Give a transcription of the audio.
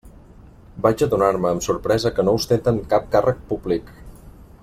Vaig adonar-me amb sorpresa que no ostenten cap càrrec públic.